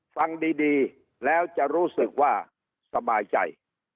ฟังดีแล้วจะรู้สึกว่าสบายใจ